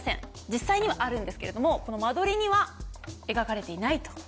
実際にはあるんですけれどもこの間取りには描かれていないと。